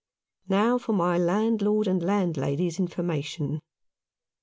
Now for my landlord and landlady's information.